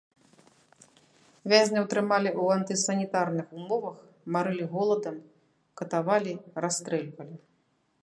Вязняў трымалі ў антысанітарных умовах, марылі голадам, катавалі, расстрэльвалі.